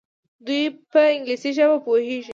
دوی په انګلیسي ژبه پوهیږي.